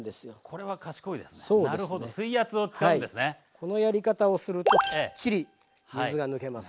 このやり方をするときっちり水が抜けます。